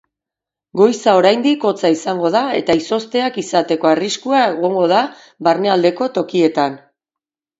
Goiza oraindik hotza izango da eta izozteak izateko arriskua egongo da barnealdeko tokietan.